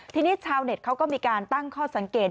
ทีนี้ชาวเน็ตเขาก็มีการตั้งข้อสังเกต